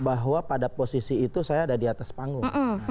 bahwa pada posisi itu saya ada di atas panggung